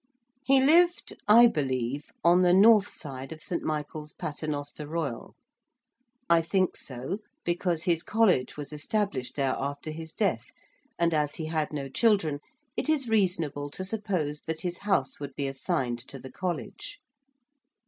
He lived, I believe, on the north side of St. Michael's Paternoster Royal. I think so because his College was established there after his death, and as he had no children it is reasonable to suppose that his house would be assigned to the College.